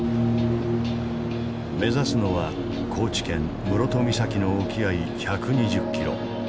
目指すのは高知県室戸岬の沖合１２０キロ。